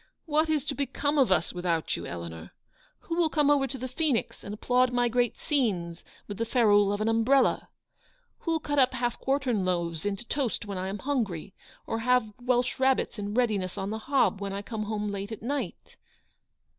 " What is to be come of us without you, Eleanor ? Who will come over to the Phoenix, and applaud my great scenes with the ferule of an umbrella? Who'll cut up half quartern loaves into toast when I am hungry, or have Welsh rarebits in readiness on the hob, when I come home late at night